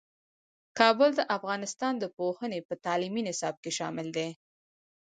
کابل د افغانستان د پوهنې په تعلیمي نصاب کې شامل دی.